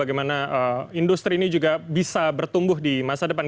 bagaimana industri ini juga bisa bertumbuh di masa depan